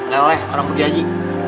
nih orang pergi aja